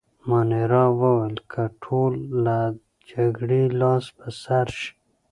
مانیرا وویل: که ټول له جګړې لاس په سر شي.